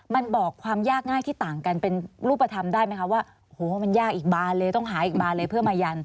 มันบอกความยากง่ายที่ต่างกันเป็นรูปภัยทำได้ไหมคะ